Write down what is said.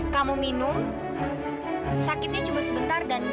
sampai jumpa di video selanjutnya